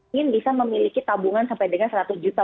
mungkin bisa memiliki tabungan sampai dengan seratus juta